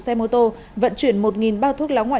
xe mô tô vận chuyển một bao thuốc lá ngoại